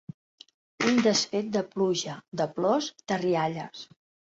Un desfet de pluja, de plors, de rialles.